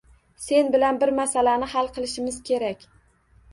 Sen bilan bir masalani hal qilishimiz kerak.